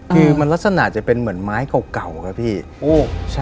คือมันลักษณะจะเป็นเหมือนไม้เก่าครับพี่